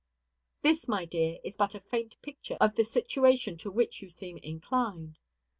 This, my dear, is but a faint picture of the situation to which you seem inclined.